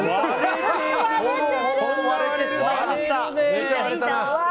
割れてしまいました！